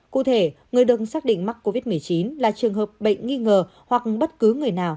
cụ thể người được xác định mắc covid một mươi chín là trường hợp bệnh nghi ngờ hoặc bất cứ người nào